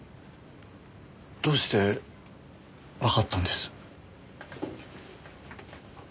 どうしてわかったんです？